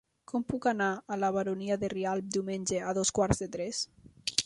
Com puc anar a la Baronia de Rialb diumenge a dos quarts de tres?